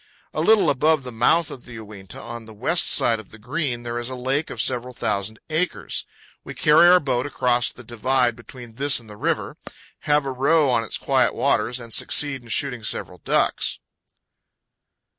A little above the mouth of the Uinta, on the west side of the Green, there is a lake of several thousand acres. We carry our boat across the divide between this and the river, have a row on its quiet waters, and succeed in shooting several ducks.